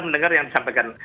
mendengar yang disampaikan